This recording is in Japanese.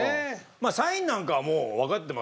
まあサインなんかはもうわかってますよね。